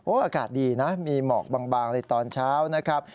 อากาศดีนะมีหมอกบางในตอนเช้านะครับ